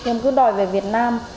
em cứ đòi về việt nam